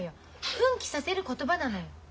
奮起させる言葉なのよ。